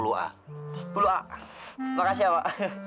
terima kasih ya pak